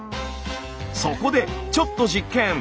そこでちょっと実験。